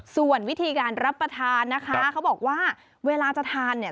ส่วนวิธีการรับประทานนะคะเขาบอกว่าเวลาจะทานเนี่ย